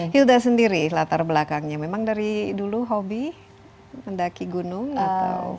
hilda sendiri latar belakangnya memang dari dulu hobi mendaki gunung atau